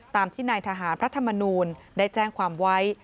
ตามที่นายทหารพระธรรมนูลได้แจ้งความไว้